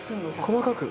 細かく。